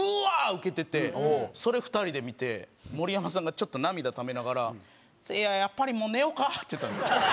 ウケててそれ２人で見て盛山さんがちょっと涙ためながら「せいややっぱりもう寝ようか」って言ったんです。